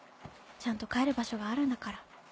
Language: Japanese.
ちゃんと帰る場所があるんだから。